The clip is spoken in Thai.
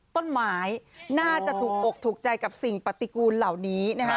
ต้นไม้น่าจะถูกอกถูกใจกับสิ่งปฏิกูลเหล่านี้นะฮะ